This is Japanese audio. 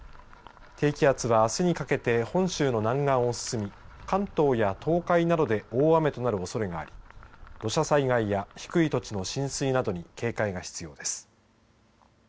低気圧はあすにかけて本州の南岸を進み関東や東海などで大雨となるおそれがあり土砂災害や低い土地の浸水などに警戒が必要です。